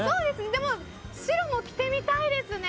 でも、白も着てみたいですね。